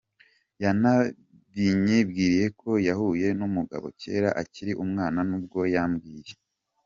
yanabinyibwiriye ko yahuye n’umugabo kera akiri umwana n’ubwo yambwiye.